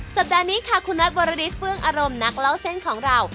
สัปดาห์นี้ค่ะคุณน็อตวรริสเฟื้องอารมณ์นักเล่าเส้นของเรา